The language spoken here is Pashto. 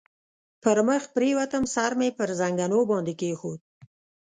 پر مخ پرېوتم، سر مې پر زنګنو باندې کېښود.